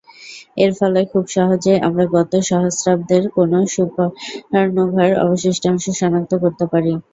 এর ফলে খুব সহজেই আমরা গত সহস্রাব্দের কোনো সুপারনোভার অবশিষ্টাংশ শনাক্ত করতে পারি।